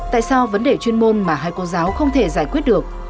tại sao vấn đề chuyên môn mà hai cô giáo không thể giải quyết được